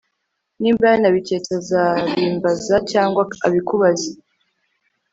nimba yanabiketse azabimbaza cyangwa abikubaze